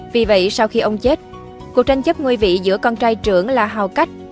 vì vậy sau khi ông chết cuộc tranh chấp ngôi vị giữa con trai trưởng là hào cách